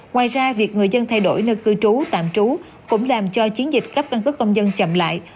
ngoài ra việc người dân thay đổi nơi cư trú tạm trú cũng làm cho chiến dịch cấp căn cước công dân chậm lại